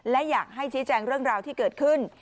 และอยากให้ชี้แจงเรื่องราวที่เกิดขึ้น